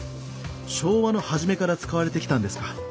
昭和の初めから使われてきたんですか。